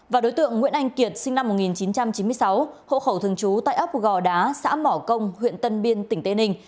và đối tượng nguyễn anh kiệt sinh năm một nghìn chín trăm chín mươi sáu hộ khẩu thường trú tại ấp gò đá xã mỏ công huyện tân biên tỉnh tây ninh